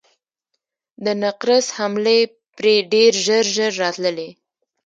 د نقرس حملې پرې ډېر ژر ژر راتلې.